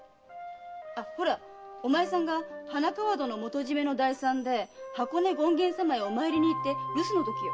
あっほらお前さんが花川戸の元締の代参で箱根権現様へお参りに行って留守の時よ。